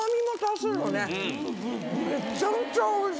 めちゃくちゃおいしい。